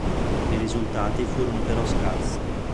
I risultati furono però scarsi.